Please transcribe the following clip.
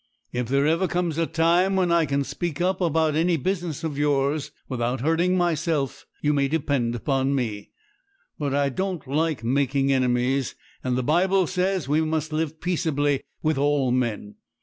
If ever there comes a time when I can speak up about any business of yours without hurting myself, you may depend upon me; but I don't like making enemies, and the Bible says we must live peaceably with all men.